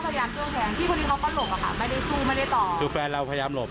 ไม่ได้สู้ไม่ได้ต่อคือแฟนเราพยายามหลบ